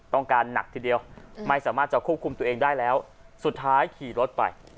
หนักทีเดียวไม่สามารถจะควบคุมตัวเองได้แล้วสุดท้ายขี่รถไป